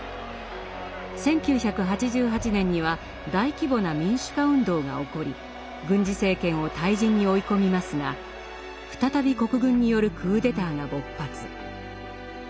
１９８８年には大規模な民主化運動が起こり軍事政権を退陣に追い込みますが再び国軍によるクーデターが勃発。